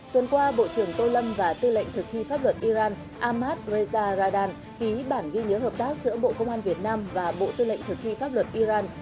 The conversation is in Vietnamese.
tuần qua bộ trưởng tô lâm và tư lệnh thực thi pháp luật iran ahmad reza radan ký bản ghi nhớ hợp tác giữa bộ công an việt nam và bộ tư lệnh thực thi pháp luật iran